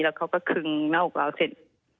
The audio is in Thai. แล้วเขาก็คึงหน้าอกเราเสร็จ